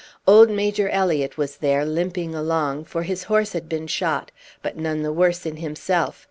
Old Major Elliott was there, limping along, for his horse had been shot, but none the worse in himself.